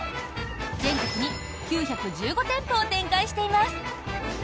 全国に９１５店舗を展開しています。